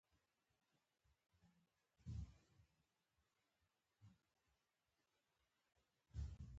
د سوات واکمن خپله لور بابر ته ورکړه،